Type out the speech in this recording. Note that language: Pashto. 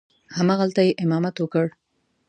همغلته یې امامت وکړ.